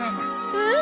うん。